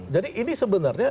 jadi ini sebenarnya